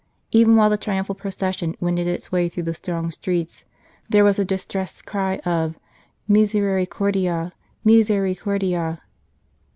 Even while the triumphal pro cession wended its way through the thronged streets, there was a distressed cry of " Misericordia ! misericordia